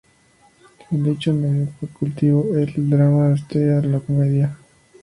En dicho medio ha cultivado el drama, la sátira y la comedia.